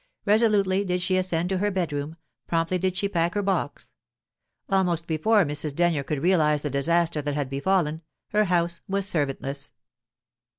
Resolutely did she ascend to her bedroom, promptly did she pack her box. Almost before Mrs. Denyer could realize the disaster that had befallen, her house was servantless.